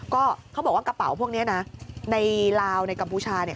ก็เขาบอกว่ากระเป๋าพวกนี้นะในลาวในกัมพูชาเนี่ย